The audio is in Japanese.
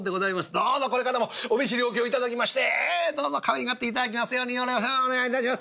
どうぞこれからもお見知りおきを頂きましてどうぞかわいがって頂きますようによろしゅうお願い致します。